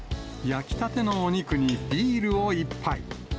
焼きたてのお肉に、ビールを一杯。